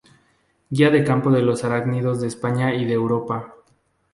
Guía de campo de los arácnidos de España y de Europa.